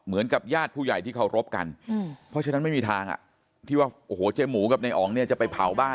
ยืนกับญาติผู้ใหญ่ที่เขารบกันเพราะฉะนั้นไม่มีทางที่ว่าเจ๊หมูกับนายอ๋องจะไปเผ่าบ้าน